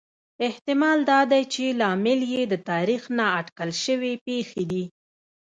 احتمال دا دی چې لامل یې د تاریخ نا اټکل شوې پېښې دي